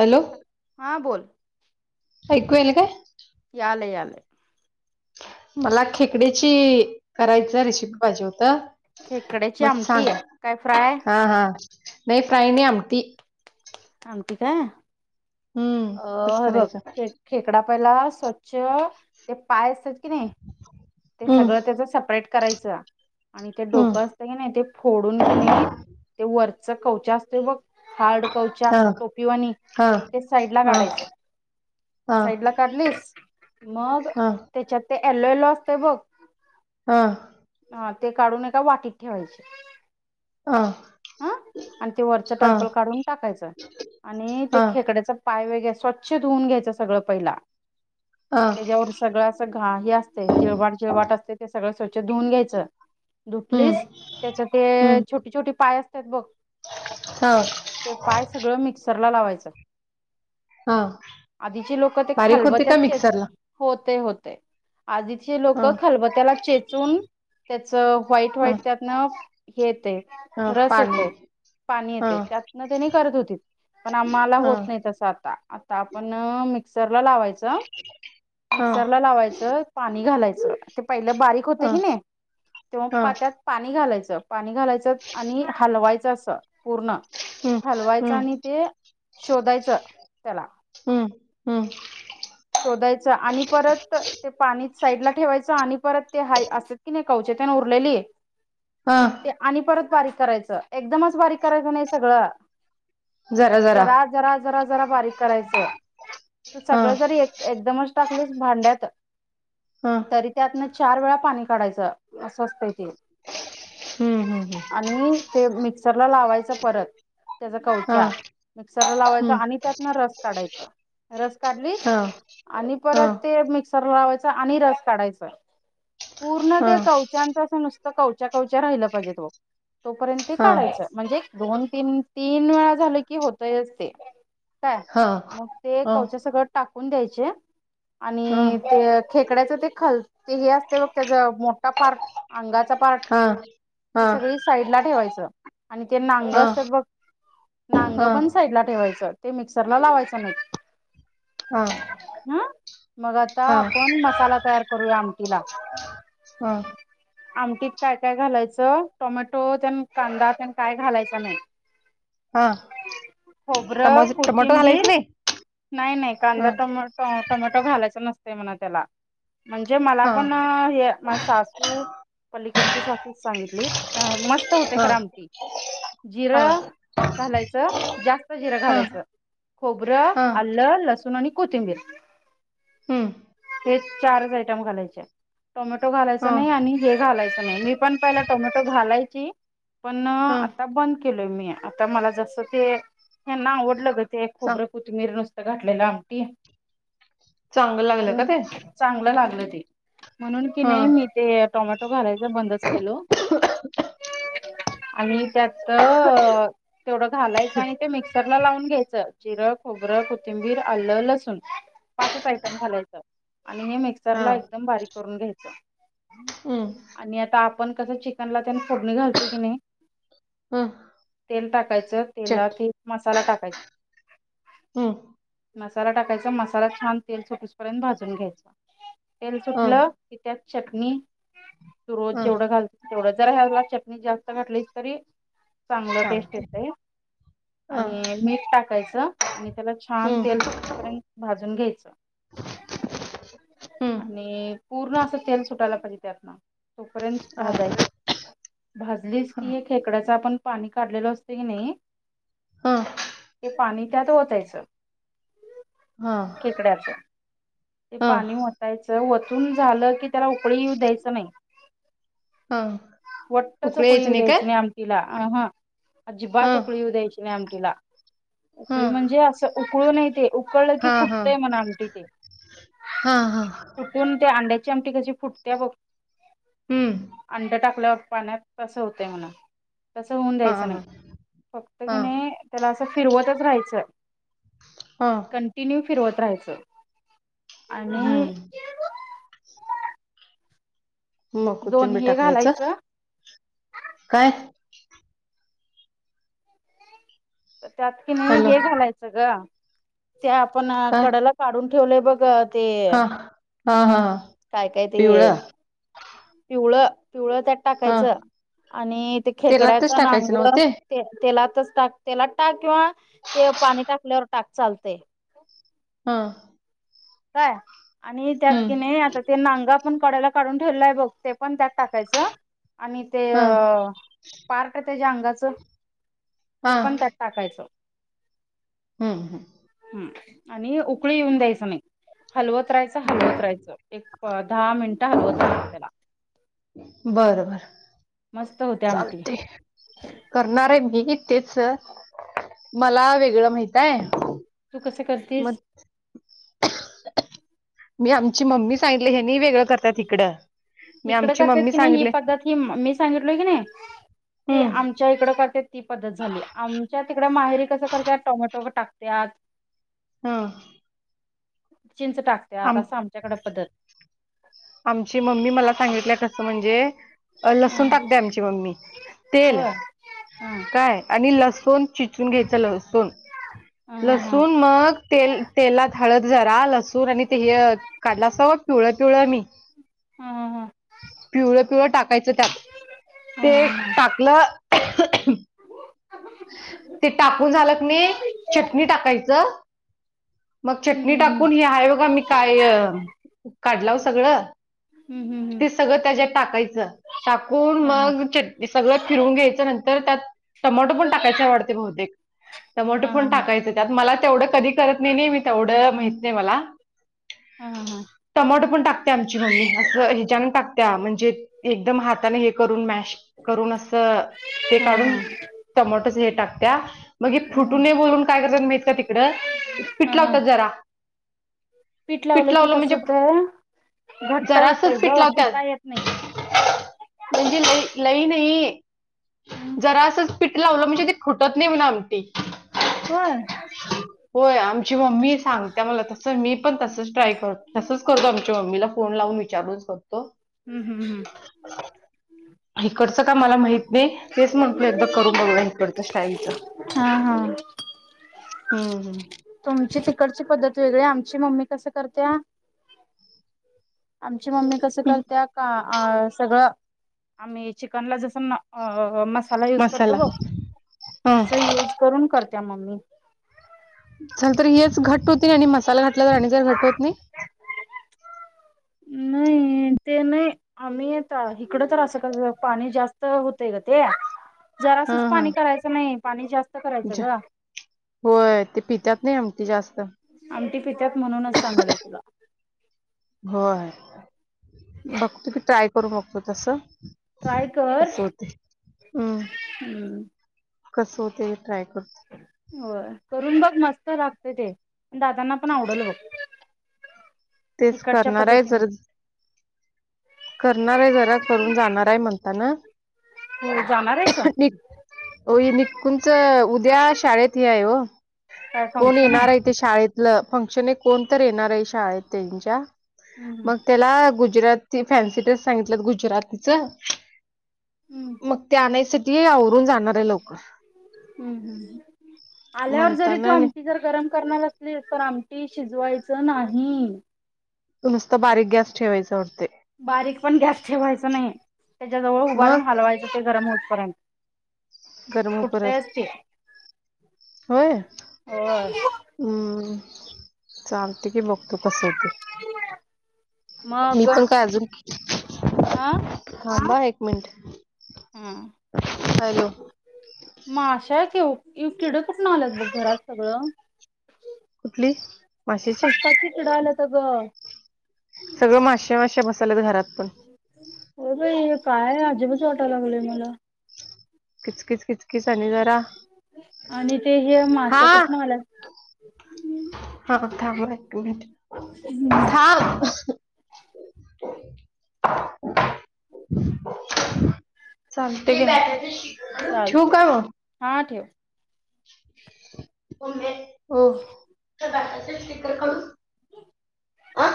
Hello हा बोल ऐकू यायलय काय? यालय यालय मला खेकडयाची करायचा रेसिपी पाहिजे होता. खेकड्याची मग सांग आमटी काय फ्राय हा हा नाय प्राई नाय आमटी आमटी काय हम्म अ तस हे बघ करायचं खे खेकडा पहिला स्वछ चं ते पाय असतात की नाय ते हम्म सगळं त्याच सपरेट करायचं. आणि ते हम्म डोकं असतं की नाय ते फोडून की नाय ते वरचं कवचा असतोय बघ कवच्या हा टोपिवानी हा ते साईड ला हा हा काढायच हा साईड ला काढलीस मग हा त्याच्यात ते एलो येलो असतय बघ हा हा ते काढून एका वाटीत ठेवायचे. हा आणि ते वरच हा टर्फल काढून घायचा आणि ते हा खेकड्याच पाय वग स्वच्छ धुऊून घ्यायचं सगळं पहिला हा त्याज्यावर सगळं अस घा हे असतय चिळवाट चिळवाट असतय ते सगळ स्वच्छ च्छ धुवून घ्यायच धुतलीस हम्म त्याच्या ते हम्म छोटी छोटी पाय असत्यात बघ हा ते पाय सगळं मिक्सरला लावायचं. हा. आधीचे लोक ते बारीक होते खलबत्यात का चेच मिक्सरला होतय होतय. आधीचे हा लोक खलबत्याला चेचून त्याचं चं व्हाईट हा व्हाईट त्यातन हे येतय हा रस पाणी येतय पाणी हा येतय. त्यातन त्यांनी करत होती पण आ मला हा होत नाही तसं आता आता आपण मिकं मिक्सर ला लावायचं. हा मिक्सरला लावायचं पाणी घालायचं. ते पहिलं बारीक होतय हा की नाय तेव्हा हा पा त्यात पाणी घालायचं. पाणी घालायचं आणि हलवायचं असं पूर्ण हम्म हलवायचं हम्म आणि ते शोधायचं त्याला हम्म हम्म शोधायच आणि परत ते पाणी साईड ला ठेवायचं आणि परत ते हाय असतात की नाय कवचे तेन उरलेली हा आणि परत बारीक करायचं. एकदमच बारीक करायचं नाही सगळं. जरा जरा जरा जरा बारीक करायच. तू हा सग [unintelligible] तू जरी एकदमच टाकलं भांड्यात हा तरी त्यातनं चार वेळा पाणी काढायंच अस असतंय. हम्म हम्म हम्म आणि ते मिक्सरला लावायचं परत त्याचा हा कवचा मिक्सरला लावायच हम्म आणि त्यातन रस काढायच, रस काढली हा आणि हा परत ते मिक्सर लावायच आणि रस काढायचाय. पूर्ण हा ते कवच्याच असं नुसतं कवच्या कवच्या राहिलं पाहिजेत ओ. तोपर्यंत हा काढायचं म्हणजे, दोन तीन तीन वेळा झालं की, होतयच ते. काय हा मग ते हा कवचे टाकून द्यायचे, हा हा आणि ते अ खेकड्याच ते खलते असते बघ त्याचा मोठा पार्ट अंगाचा पार्ट हा हा ही हा सगळी साईड ला ठेवायचं. आणि ते नांग असतात बघ, नांग पण साईडला ठेवायचं. ते मिक्सर ला लावायचं नाही. हा. हं मग आता हा आपण मसाला तयार करूया आमटीला. हा. आमटीत काय काय घालायचं? टोमॅटो त्यान कांदा त्या काय घालायचा नाही. हा टमो खोबरं, टमॅटो कोथिंबीर. घालायच नाही नाही. नाही. ह कांदा टोमॅटो टोमॅटो घालायच नसते म्हणा त्याला. म्हणजे मला हा पण हे माही सासू पली कडची सासू सांगितली मस्त होते हा खर आमटी. हा जिरं घालायचं. जास्त जिरं हा घालायचं. खोबरं हा अल्ल, सूण आणि कोथिंबीर हम्म हे चारच आयटम घालायचे. टोमॅटो हा घालायचं नाही हे घालायचं नाही पण पहिलं टोमॅटो घालायची, पण हा आता बंद केल मी आता मला जस ते यांना आवडलं ते चां खोबर नुसत घातलेलं आमटी, चांगलं लागलं का म्हणून ते चांगलं लागलं. म्हणून की हा नाही, मी ते टोमॅटो घालायच बंदच केल. आणि त्यात तेवढं घालायचं. आणि ते मिक्सरला लावून घ्यायचं, जिर खोबरं, कोथिंबीर, आलं, लसूण पाचच आयटम घालायचं. आणि हे मिक्सर हा ला एकदम बारीक करून घ्यायच. हम्म आणि आता आपण कसं चिकनला त्या फोडणी घालतोय की नाही. हम्म तेल टाकायचं चट तेलात मसाला टाकायचा. हम्म. मसाला टाकायचा. मसाला छान तेल सुटीसपर्यंत भाजून घ्यायचं. तेल ह सुटलं की त्यात चटणी तू रोज ह जेवढा घालती तेवढं जर ह्याला चटणी जास्त घातली तरी चांगलं टेस्ट चालते येतय. ह आणि मीठ टाकायचं. आणि त्याला छान हम्म तेल सुटेपर्यंत, भाजून घ्यायचं. हम्म आणि पूर्ण असं तेल सुटायला पाहिजे, त्यात न. तोपर्यंत भाजायच, भाजलीस की ह हे खेकड्याच आपण पाणी काढलेल असत की नाही. हा ते पाणी त्यात ओतायचं. हा खेकड्याच. ते हा पाणी वतायचं, वतून झालं की, त्याला उकळी येऊ द्यायचं नाही. हा वट्ट च उकळे उकळी यायचे येऊ काय द्यायची नाही आमटीला अ ह हा अजिबात उकळी येऊ द्यायची नाही आमटीला हा उकळी म्हणजे असं उकळूूनय ते उकळलं की हा हा फुटतंय मन आमटी ते. हा हा फुटून त्या अंड्याची आमटी कशी फुटतेय बघ हम्म अंड टाकल्यावर पाण्यात, तसं होतंय म्हणा तसं होऊन हा द्यायचं हा नाही, फक्त की हा नाही त्याला असं फिरवतच राहायचं. हा कंटिन्यू फिरवत राहायचं आणि हूं! मग दोन कोथिंबीर हे टाकायचं घालायचं काय? त्यात की नाही हॅलो हे घालायचं ग ते आपण काय कडला काढून ठेवलंय बघ अ ते हा हा, हा, हा! काय, काय ते पिवळं पिवळ, पिवळ, त्यात हा टाकायचं आणि ते खेकड्याच तेलातच नांग टाकायचं नव्ह ते तेलात तस टाक त्याला टाक किंवा ते पाणी टाकल्यावर टाक चालतय हा! काय आणि त्यात हम्म की नाही आता ते नांगा आपण कड्याला काढून ठेवलल्या बघ ते पण त्यात टाकायचं. आणि ते हा अ पार्ट त्याच्या अंगाचं ते पण त्यात टाकायचं हूं हूं! हम्म आणि उकळी येऊन द्यायच नाही हलवत राहायचं, हलवत राहायचं, एक दहा मिनिटं हलवत राहायचं त्याला बरबर मस्त होते आमटी चालते करणार आहे. तेच मला वेगळं माहिताय तू कसं करतीस मी आमची मम्मी सांगितली ह्यांनी वेगळं करतात इकडं मी हीकड आमची करतात मम्मी की नाही ही सांगितले पद्धत, ही मं मी सांगितलोय की नाही? ते हम्म आमच्या इकड करतेत ती पद्धत झाली, आमच्या तिकड माहेरी कसं करत्यात टोमॅटो टाकत्यात. हा! चिंच टाकत्यात असं आमच्याकडें पद्धत आमची मम्मी मला सांगितलं, कसं म्हणजे अ लसूण पद्धत टाकते आमची मम्मी, तेल होय हा काय आणि लसूण चि सून घ्यायचा हा हा लसुण मग तेल तेलात हळद जरा लसूण, आणि ते हे काढला असबग पिवळ पिव हा हा हा हा पिवळ पिवळ टाक टाकायच त्यात हा ते हा हा टाकलं ते टाकून झालं क नही चटणी टाकायचं मग चटणी हम्म हम्म टाकून हि आहे बघा मी काय काढला सगळं हूं हूं! ते सगळं त्याच्यात टाकायचं, टाकून हा हा मग चट सगळं फिरून घ्यायचं नंतर त्यात टमाटो पण टाकायचाय वाडते बहुतेक टमाटो हा पण हा टाकायच त्यात मला तेवढं कधी करत नही नही मी तेवढं माहित नाही मला हा, हा, हा! टमाटो पण टाकते आमची मम्मी, असं हीच्यानून टाकत्या म्हणजे एकदम हाताने हे करुन मॅश करून अस ते हा काढून टमाटोच हे टाकत्या, मग हे हा फुटू हा नही बोलून काय करत्यात माहिती का तिकडं हा पिटलावता हा. जरा पीठ लावलं की कसं होत घट्ट होतोय जरासच पीठ ग लावतात पिता येत नाही म्हणजे लई लई नाही हम्म जरा असं वलं म्हणजे ते खुटत नाही म्हणा आमी होय होय आमची मम्मी सांगते मला तस मी पण तसच ट्राय करतो तसच करतो आमच्या मीला फोन लावून विचारूच कर हम्म हम्म हम्म इकडचं का मला माहित नाही तेच म्हटल एकदा करून बघ इकडच हा हा स्टाईलचम्् तुमची तिकडची पद्धत वेगळी आमची मम्मी कस करते आमची मम्मी कसं करते का अ सगळं आम्ही चिकनला जस म म य मसाला करतो तस हम्म य करून करत म चल तर हेच घट होती आणि मसाला घटला तर आणि जर घट होत नाही नाही ते नाही आम्ही येत इकडं तर असं का पाणी जास्त होतय का ते जरासच हं पाणी हं. करायचं नाही पाणी जास्त करायचं ज- ग होय ते पितात नाही आमटी जास्त आमटी पितात म्हणूनच सांगल तुला होय बघत की ट्राय करू बघतो तस ट्राय कर कस होते हम् कस होते ट्राय करतो हो करून बघ मस्त लागते ते पण दादांना पण आवडल बघ तेच इकडच्या करणार आहे पद्धतीनं जर करणार आहे जरा करून जाणार आहे म्हणताना मला जाणारेस तुमचं उद्या शाळेत हे आहे हो काय कोण फंक्शन येणार आहे ते शाळेत फंक्शन कोण तर येणार आहे शाळेत त्यांच्या हम्म मग त्याला गुजराती फॅन्सी ड्रेस सांगितलंत गुजरातीच हम्म मग ते आणायसाठी आवरून जाणार आहे लोक हम्म हम् आल्यावर जरी तू म्हणताना आमटी जर गरम करणार असली तर आम शिजवायचं नाही नुसत बारीक गॅस ठेवायचंत बारीक पण गॅस ठेवायच नाही त्याच्या जवळ उभारून मग हलवायचं ते गरम होतपर्यंत गरम हो परत कुठतचतील होय हम्म चालते की बघतो कस होते मी मग पण काय अजून हा हां ब एक मिनिट हा हलो मगशाच येऊ तिड कुठून आलंत बघ घरात सगळं कुठली माशेची सबळ सगळे माातशे माातसे मसाले घरात पण हो भाई काय अजिबच वाटायला लागलय मला कच कच कच कीिसानी जरा आणि ते हे हा माशा कुठनं आल्यात हा थांब एक मिनट थांब चालते का शू चालतंय कर हा ठेव. े हो शिकर करू अं